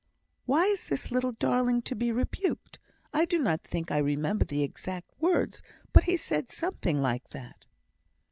Why is this little darling to be rebuked? I do not think I remember the exact words, but he said something like that."